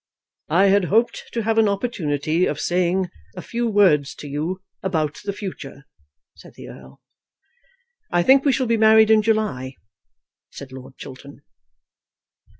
"I had hoped to have an opportunity of saying a few words to you about the future," said the Earl. "I think we shall be married in July," said Lord Chiltern.